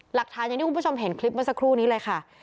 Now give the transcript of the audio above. หลักฐานอย่างที่คุณผู้ชมเห็นคลิปเมื่อสักครู่นี้เลยค่ะ